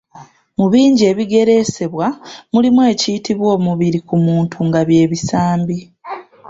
Mu bingi ebigereesebwa mulimu ekiyitibwa omubiri ku muntu nga by'ebisambi.